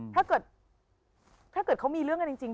ถ้าเกิดเขามีเรื่องนั้นจริง